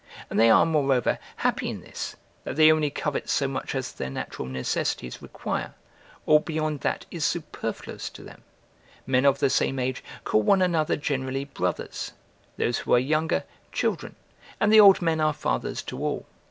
And they are, moreover, happy in this, that they only covet so much as their natural necessities require: all beyond that is superfluous to them: men of the same age call one another generally brothers, those who are younger, children; and the old men are fathers to all.